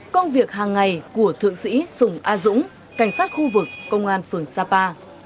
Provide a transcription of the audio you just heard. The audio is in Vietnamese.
công việc hàng ngày của thượng sĩ sùng a dũng cảnh sát khu vực công an phường sapa